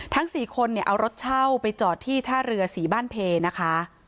๔คนเนี่ยเอารถเช่าไปจอดที่ท่าเรือศรีบ้านเพนะคะ